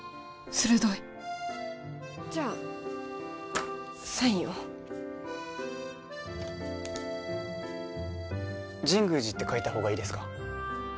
鋭いじゃあサインを神宮寺って書いた方がいいですか？